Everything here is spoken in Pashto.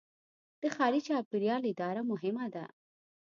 د ښاري چاپیریال اداره مهمه ده.